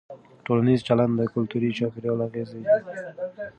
ټولنیز چلند د کلتوري چاپېریال اغېز دی.